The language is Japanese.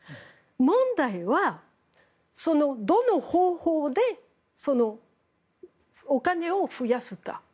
問題は、どの方法でお金を増やすか。